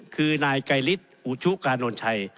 คือนายไกรฤทธิ์ศูการหน่อยไทย